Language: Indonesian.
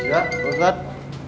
iya pak ustadz